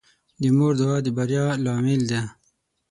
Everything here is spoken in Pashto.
د مور دعا د بریا لامل ده.